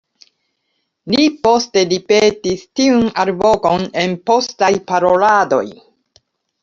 Li poste ripetis tiun alvokon en postaj paroladoj.